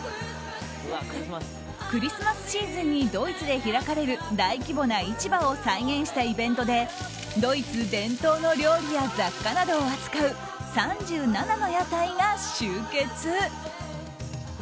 クリスマスシーズンにドイツで開かれる大規模な市場を再現したイベントでドイツ伝統の料理や雑貨などを扱う３７の屋台が集結。